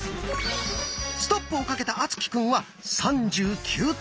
ストップをかけた敦貴くんは３９点。